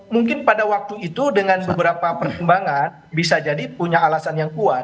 mungkin pada waktu itu dengan beberapa pertimbangan bisa jadi punya alasan yang kuat